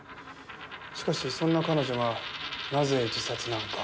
しかしそんな彼女がなぜ自殺なんか。